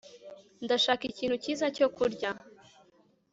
ndashaka ikintu cyiza cyo kurya